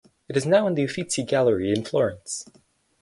It is now in the Uffizi Gallery in Florence.